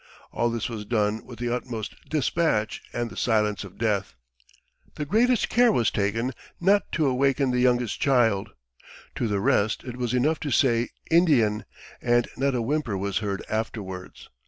All this was done with the utmost despatch and the silence of death; the greatest care was taken not to awaken the youngest child; to the rest it was enough to say Indian, and not a whimper was heard afterwards.